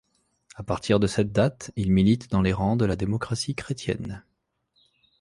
À partir de cette date, il milite dans les rangs de la démocratie chrétienne.